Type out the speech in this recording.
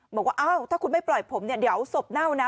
บอกว่าว่าถ้าคุณไม่ปล่อยผมเดี๋ยวศพเน่านะ